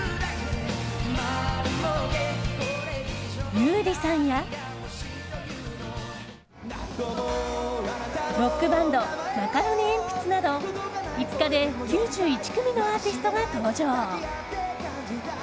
優里さんや、ロックバンドマカロニえんぴつなど５日で９１組のアーティストが登場。